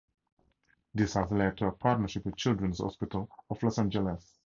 This has led to a partnership with Children's Hospital of Los Angeles.